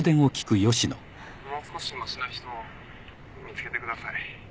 もう少しましな人見つけてください。